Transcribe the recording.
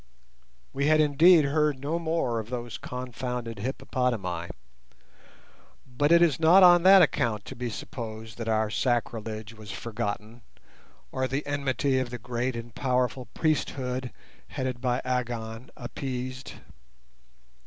We had indeed heard no more of those confounded hippopotami, but it is not on that account to be supposed that our sacrilege was forgotten, or the enmity of the great and powerful priesthood headed by Agon appeased.